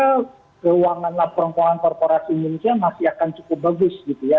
karena keuangan laporan keuangan korporasi indonesia masih akan cukup bagus gitu ya